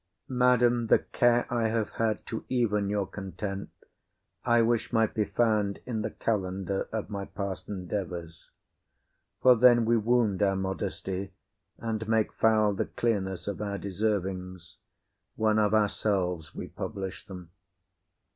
Madam, the care I have had to even your content, I wish might be found in the calendar of my past endeavours; for then we wound our modesty, and make foul the clearness of our deservings, when of ourselves we publish them.